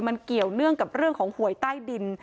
มันเกี่ยวเนื่องกับเรื่องของหวยใต้ดิน